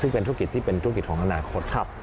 ซึ่งเป็นธุรกิจที่เป็นธุรกิจของอนาคต